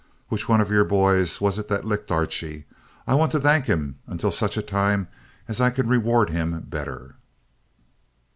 Which one of your boys was it that licked Archie? I want to thank him until such a time as I can reward him better."